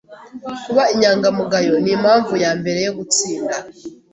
Kuba inyangamugayo nimpamvu yambere yo gutsinda.